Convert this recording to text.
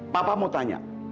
papa mau tanya